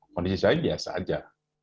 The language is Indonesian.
kondisi saya biasa saja